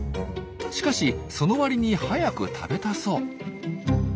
しかしそのわりに早く食べたそう。